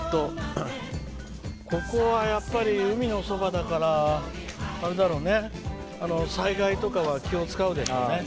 ここは海のそばだから災害とかは気を遣うでしょうね。